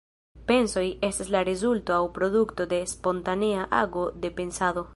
Pensoj estas la rezulto aŭ produkto de spontanea ago de pensado.